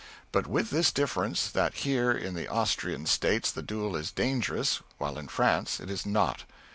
But with this difference, that here in the Austrian States the duel is dangerous, while in France it is not.